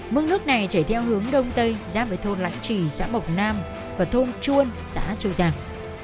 mương nước này chảy theo hướng đông tây giam với thôn lãnh trì xã bộc nam và thôn chuôn xã châu giang